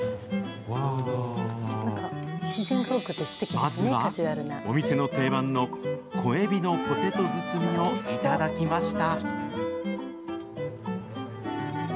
まずは、お店の定番の小エビのポテト包みを頂きました。